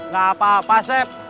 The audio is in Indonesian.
gak apa apa sep